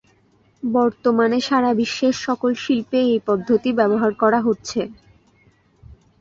বর্তমানে সারা বিশ্বের সকল শিল্পে এই পদ্ধতি ব্যবহার করা হচ্ছে।